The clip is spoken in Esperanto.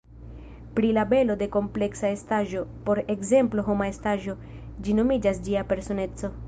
Pri la belo de kompleksa estaĵo, por ekzemplo homa estaĵo, ĝi nomiĝas ĝia personeco.